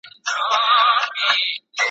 هر سړی یې تر نظر پک او پمن وي ,